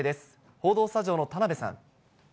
報道スタジオの田辺さん。